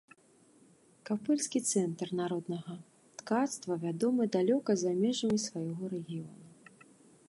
Капыльскі цэнтр народнага ткацтва вядомы далёка за межамі свайго рэгіёну.